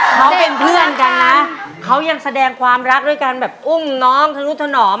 เขาเป็นเพื่อนกันนะเขายังแสดงความรักด้วยการแบบอุ้มน้องทะลุถนอม